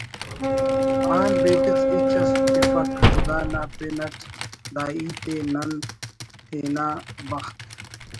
آن بیدس ہچ اس تفک خدا نا پن اٹ دا پیٹ ءِ نن تینا بخت